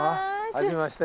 はじめまして。